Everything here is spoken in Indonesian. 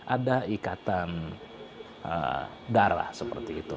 ada ikatan darah seperti itu